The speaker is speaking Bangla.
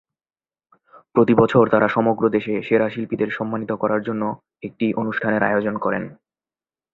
প্রতিবছর তারা সমগ্র দেশে সেরা শিল্পীদের সম্মানিত করার জন্য একটি অনুষ্ঠানের আয়োজন করেন।